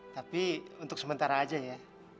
tapi untuk sementara aja ya